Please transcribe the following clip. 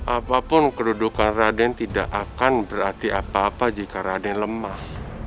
apapun kedudukan raden tidak akan berarti apa apa jika raden lemah